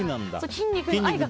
筋肉への愛が。